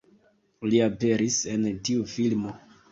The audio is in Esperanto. Li aperis en tiu filmo